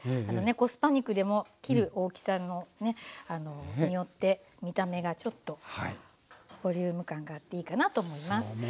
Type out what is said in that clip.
あのねコスパ肉でも切る大きさによって見た目がちょっとボリューム感があっていいかなと思います。